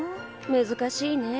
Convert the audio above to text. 難しいね。